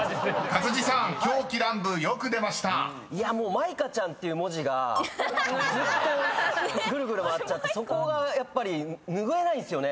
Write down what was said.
「舞香ちゃん」っていう文字がずっとぐるぐる回っちゃってそこがやっぱり拭えないんすよね。